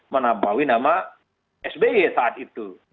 menampawi nama sby saat itu